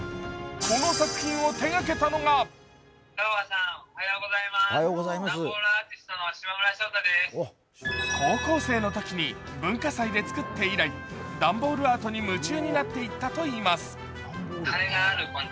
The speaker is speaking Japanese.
この作品を手がけたのが高校生のときに文化祭で作って以来、段ボールアートに夢中になっていったといいます。